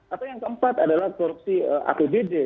atau yang keempat adalah korupsi apbd